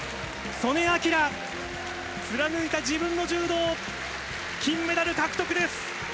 素根輝、貫いた自分の柔道、金メダル獲得です。